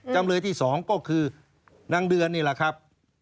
จำเลยที่๒ก็คือนางเดือนนี่แหละครับ